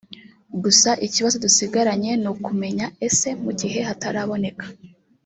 Gusa ikibazo dusigaranye ni ukumenya ese mu gihe hataraboneka